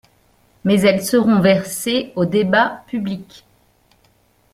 Mais elles seront versées au débat public.